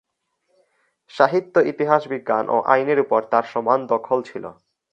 সাহিত্য ইতিহাস বিজ্ঞান ও আইনের উপর তার সমান দখল ছিল।